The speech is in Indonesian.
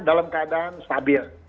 dalam keadaan stabil